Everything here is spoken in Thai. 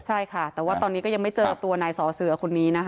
ใช่ค่ะแต่ว่าตอนนี้ก็ยังไม่เจอตัวนายสอเสือคนนี้นะคะ